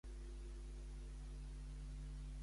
Per molts sants a totes les Anna i tots els Joaquim